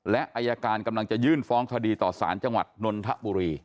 และอายการกำลังจะยื่นฟ้องคดีต่อสารจังหวัดนนทบุรี